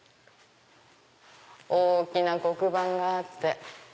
大きな黒板があって。